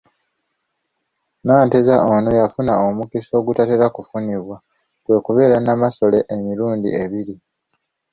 Nanteza ono yafuna omukisa ogutatera kufunibwa, kwe kubeera Namasole emirundi ebiri,.